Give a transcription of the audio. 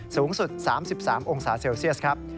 สูงสุด๓๓องศาเซลเซียสครับ